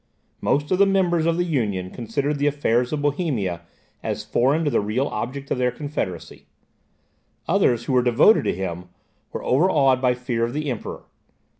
Most of the members of the Union considered the affairs of Bohemia as foreign to the real object of their confederacy; others, who were devoted to him, were overawed by fear of the Emperor.